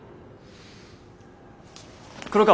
黒川